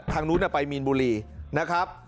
ทางนู้นไปมีนบุรีนะครับ